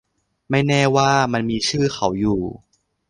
ไม่แน่ว่ามันมีชื่อเขาอยู่